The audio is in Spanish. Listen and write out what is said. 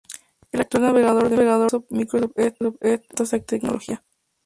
El actual navegador de Microsoft, Microsoft Edge, no soporta esta tecnología.